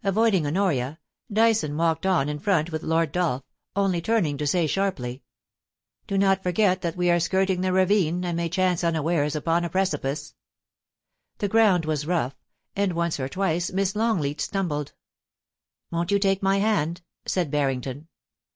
197 Avoiding Honoria, Dyson walked on in front with Lord Dolph, only turning to say sharply :* Do not forget that we are skirting the ravine, and may chance unawares upon a precipice.' The ground was rough, and once or twice Miss Longleat stumbled. ' Won't you take my hand ?* said Barrington.